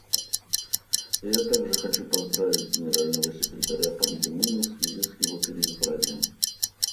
Я также хочу поздравить Генерального секретаря Пан Ги Муна в связи с его переизбранием.